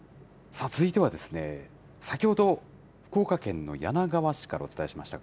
さあ続いては、先ほど、福岡県の柳川市からお伝えしました。